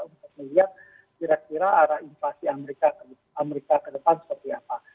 untuk melihat kira kira arah inflasi amerika ke depan seperti apa